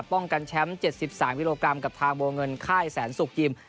ป้องกันแชมป์๗๓กิโลกรัมกับทางโบเงินค่ายแสนสุกิม